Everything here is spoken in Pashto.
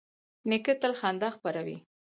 نیکه تل خندا خپروي.